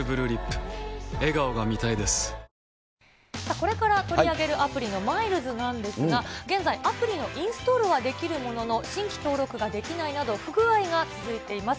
これから取り上げるアプリのマイルズなんですが、現在、アプリのインストールはできるものの、新規登録ができないなど、不具合が続いています。